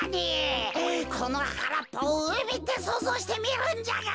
このはらっぱをうみってそうぞうしてみるんじゃが！